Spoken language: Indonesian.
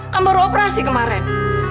kamu baru operasi kemarin